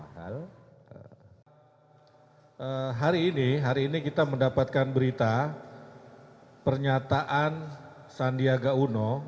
hari ini kita mendapatkan berita pernyataan sandiaga uno